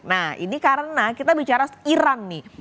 nah ini karena kita bicara iran nih